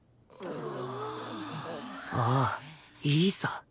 ああいいさ